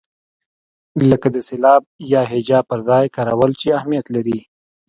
لکه د سېلاب یا هجا پر ځای کارول چې اهمیت لري.